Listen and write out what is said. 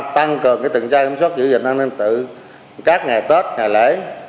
tăng cường cái tượng trai ẩm xuất giữ dịch an ninh tự các ngày tết ngày lễ